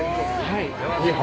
はい。